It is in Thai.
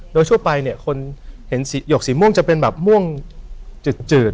โดยช่วงปายหยกมั้วมมวงจะแบบม่วงเจ็ด